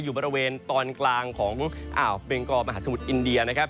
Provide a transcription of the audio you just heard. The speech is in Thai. อยู่บริเวณตอนกลางของอ่าวเบงกอมหาสมุทรอินเดียนะครับ